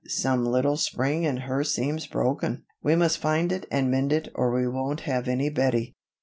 "Some little spring in her seems broken. We must find it and mend it or we won't have any Bettie."